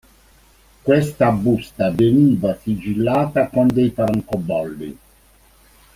Questa busta veniva sigillata con dei francobolli.